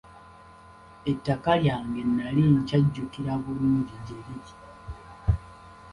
Ettaka lyange nnali nkyajjukira bulungi gye liri.